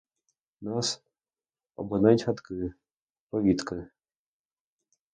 Нас обминають хатки, повітки.